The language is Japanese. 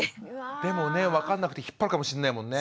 でもね分かんなくて引っ張るかもしんないもんね。